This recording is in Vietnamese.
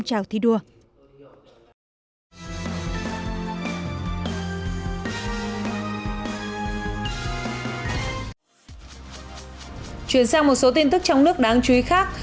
và một số tin tức trong nước đáng chú ý khác